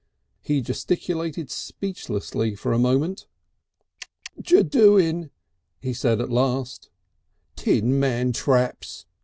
He gesticulated speechlessly for a moment. "Kik jer doing?" he said at last. "Tin mantraps!"